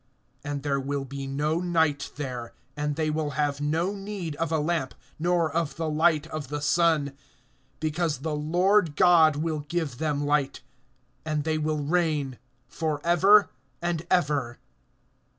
(5)And there will be no night there; and they will have no need of a lamp, nor of the light of the sun, because the Lord God will give them light; and they will reign forever and ever.